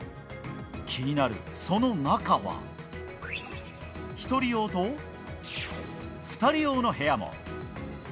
気になる、その中は１人用と２人用の部屋も。